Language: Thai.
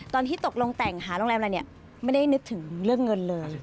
ตอนที่ตกลงแต่งหาโรงแรมอะไรเนี่ยไม่ได้นึกถึงเรื่องเงินเลย